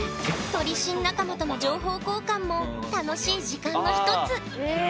撮り信仲間との情報交換も楽しい時間の一つ。